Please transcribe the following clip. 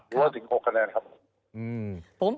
ที่สุดอยู่กับ๖แคน